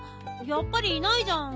やっぱりいないじゃん